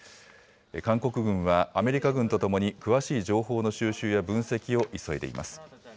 韓国軍はアメリカ軍とともに詳しい情報の収集や分析を急いでいます。